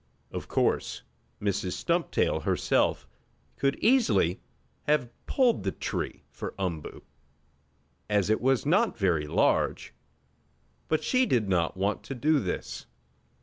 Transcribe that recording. Of course Mrs. Stumptail herself could easily have pulled the tree for Umboo, as it was not very large, but she did not want to do this.